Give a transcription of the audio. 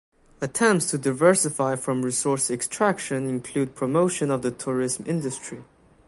Attempts to diversify from resource extraction include promotion of the tourism industry.